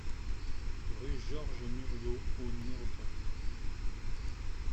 Rue Georges Muriot au numéro quatre